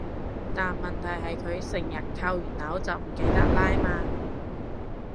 但問題係佢成日扣完鈕就唔記得拉嘛